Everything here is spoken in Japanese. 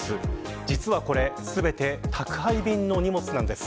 実はこれ全て宅配便の荷物なんです。